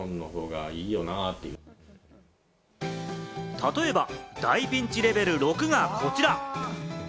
例えば、大ピンチレベル６がこちら。